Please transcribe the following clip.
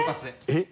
えっ？